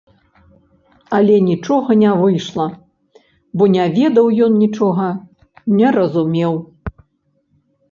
Але нічога не выйшла, бо не ведаў ён нічога, не разумеў.